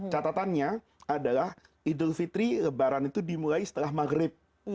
catatannya adalah idul fitri lebaran itu dimulai setelah maghrib